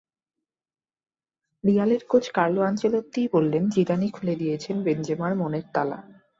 রিয়ালের coach Carlo আনচেলত্তিই বললেন, জিদানই খুলে দিয়েছেন বেনজেমার মনের তালা।